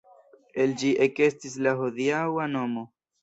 El ĝi ekestis la hodiaŭa nomo.